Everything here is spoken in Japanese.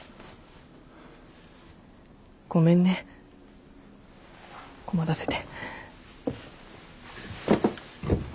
ごめんね困らせて。